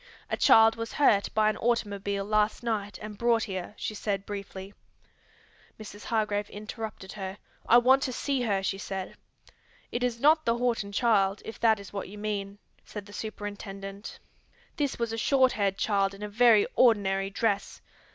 "A child was hurt by an automobile last night and brought here," she said briefly. Mrs. Hargrave interrupted her. "I want to see her," she said. "It is not the Horton child, if that is what you mean," said the superintendent. "This was a short haired child in a very ordinary dress.